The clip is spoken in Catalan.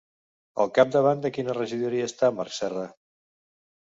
Al capdavant de quina regidoria està Marc Serra?